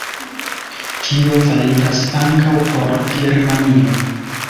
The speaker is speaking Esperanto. Tio validas ankaŭ por Germanio.